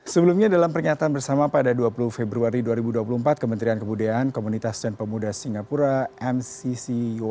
sebelumnya dalam pernyataan bersama pada dua puluh februari dua ribu dua puluh empat kementerian kebudayaan komunitas dan pemuda singapura mcca